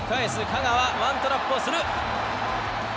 香川ワントラップをする。